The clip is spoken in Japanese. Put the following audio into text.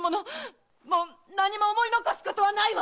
もう何も思い残すことはないわ！